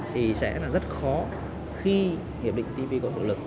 thì sẽ rất khó khi hiệp định tp có được lực